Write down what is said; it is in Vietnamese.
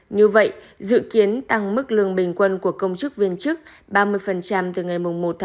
như vậy dự kiến tăng mức lương bình quân của công chức viên chức ba mươi từ ngày một bảy hai nghìn hai mươi bốn